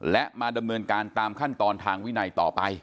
และมาดำเนินการตามขั้นตอนทางวินัยต่อไป